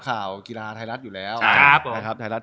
ฝากคุณไม่ได้ก็หน่อยล่ะทั้งคู่ครับ